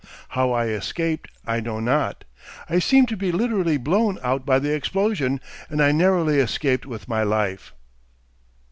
How I escaped I know not. I seemed to be literally blown out by the explosion, and I narrowly escaped with my life."